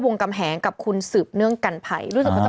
เป็นการกระตุ้นการไหลเวียนของเลือด